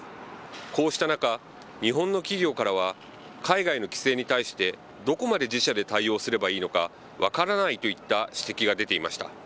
こうした中、日本の企業からは、海外の規制に対してどこまで自社で対応すればいいのか分からないといった指摘が出ていました。